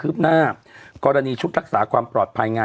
เราก็มีความหวังอะ